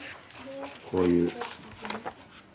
こういう。